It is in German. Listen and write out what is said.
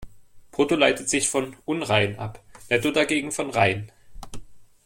Brutto leitet sich von "unrein" ab, netto dagegen von "rein".